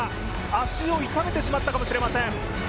足を痛めてしまったかもしれません。